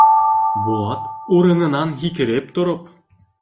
Булат, урынынан һикереп тороп: